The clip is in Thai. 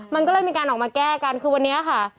มันก็เลยมีการออกมาแก้กันคือวันนี้ค่ะ